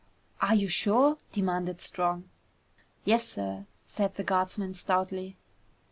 "Are you sure?" demanded Strong. "Yes, sir," said the guardsman stoutly.